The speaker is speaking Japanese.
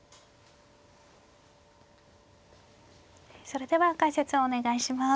それでは解説をお願いします。